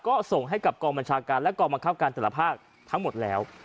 ก็ส่งกล้องบัญชาการและกล้องบังคับการตลอดภาพทั้งหมดแล้ว